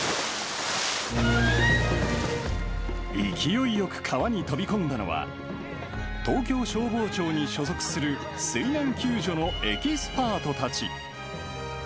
勢いよく川に飛び込んだのは、東京消防庁に所属する水難救助のエキスパートたち。